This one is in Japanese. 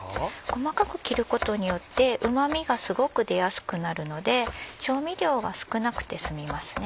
細かく切ることによってうま味がすごく出やすくなるので調味料が少なくて済みますね。